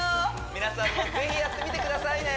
皆さんも是非やってみてくださいね！